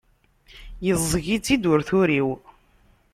Iẓẓeg-itt-id ur turiw.